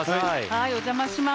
はいお邪魔します。